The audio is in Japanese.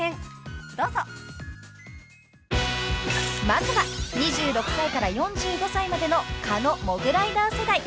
［まずは２６歳から４５歳までの狩野モグライダー世代］